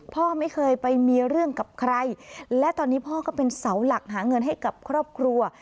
พ่อไม่เคยไปมีเรื่องกับใครและตอนนี้พ่อก็เป็นเสาหลักหาเงินให้กับครอบครัว